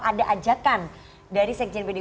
ada ajakan dari sekjen pdi